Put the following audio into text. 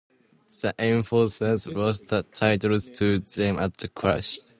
The Enforcers lost the titles to them at the Clash.